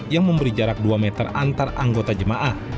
yang memberi jarak dua meter antar anggota jemaah